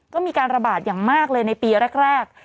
ก็มีการระบาดอย่างมากเลยในปีแรก